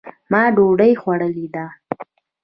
ما دوډۍ خوړلې ده